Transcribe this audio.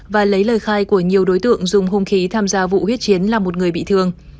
và lấy lời khai của nhiều đối tượng dùng hung khí tham gia vụ huyết chiến làm một người bị thương